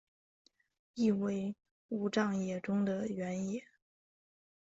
意为武藏野中的原野。